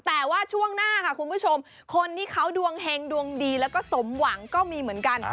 แต่ว่าช่วงหน้าค่ะคุณผู้ชมคนที่เขาดวงเฮงดวงดีแล้วก็สมหวังก็มีเหมือนกัน